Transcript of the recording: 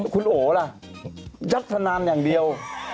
คุณโอล่ะยักษนานอย่างเดียว